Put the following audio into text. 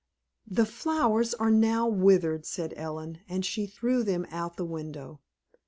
"The flowers are now withered," said Ellen, and she threw them out of the window.